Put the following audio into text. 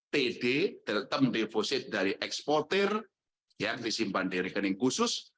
td deltam deposit dari eksportir yang disimpan di rekening khusus